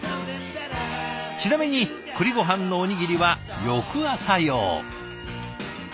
ちなみに栗ごはんのおにぎりは翌朝用。